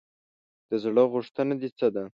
د زړه غوښتنه دې څه ده ؟